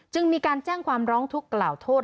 มีการแจ้งความร้องทุกข์กล่าวโทษ